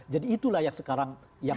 jadi itulah yang sekarang